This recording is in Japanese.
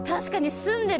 住んでる。